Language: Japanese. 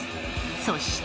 そして。